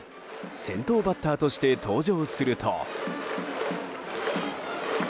先頭バッターとして登場すると。